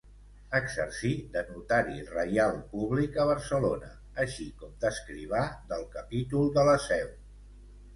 Exercí de notari reial públic a Barcelona, així com d'escrivà del Capítol de la Seu.